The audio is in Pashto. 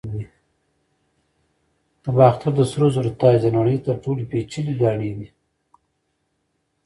د باختر سرو زرو تاج د نړۍ تر ټولو پیچلي ګاڼې دي